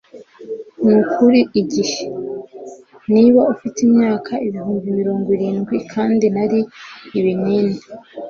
nukuri igihe. niba ufite imyaka ibihumbi mirongo irindwi, kandi nari ibinini